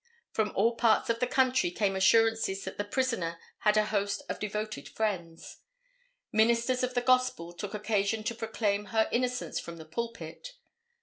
From all parts of the country came assurances that the prisoner had a host of devoted friends. Ministers of the gospel took occasion to proclaim her innocence from the pulpit.